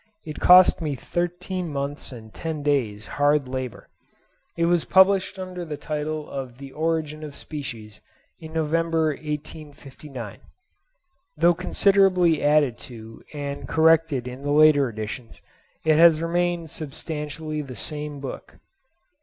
It cost me thirteen months and ten days' hard labour. It was published under the title of the 'Origin of Species,' in November 1859. Though considerably added to and corrected in the later editions, it has remained substantially the same book.